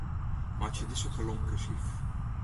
Meitsje dizze kolom kursyf.